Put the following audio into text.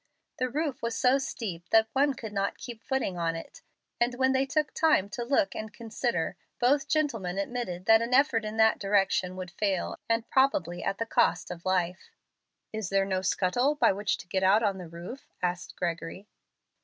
The roof was so steep that one could not keep footing on it; and when they took time to look and consider, both gentlemen admitted that an effort in that direction would fail, and probably at the cost of life. "Is there no scuttle by which to get out on the roof?" asked Gregory.